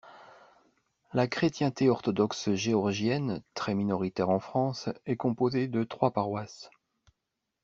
La chrétienté orthodoxe géorgienne, très minoritaire en France, est composée de trois paroisses.